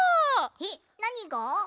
えっなにが？